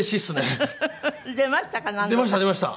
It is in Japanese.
出ましたか？